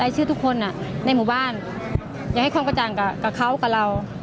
ชื่อทุกคนในหมู่บ้านอย่าให้ความกระจ่างกับเขากับเรา